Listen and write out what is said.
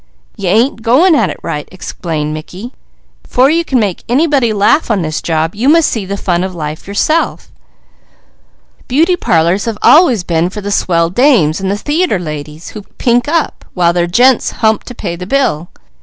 "You ain't going at it right!" explained Mickey. "'Fore you can make anybody laugh on this job, you must see the fun of life yourself. Beauty parlours have always been for the Swell Dames and the theatre ladies, who pink up, while their gents hump to pay the bill.